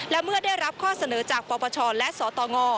และเมื่อได้รับข้อเสนอจากปปชและสตง